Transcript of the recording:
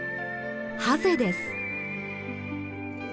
ハゼです。